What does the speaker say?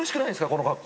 この格好。